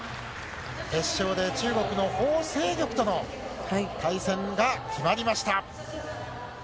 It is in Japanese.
決勝で中国のホウ・セイギョクとの対戦が決まりました。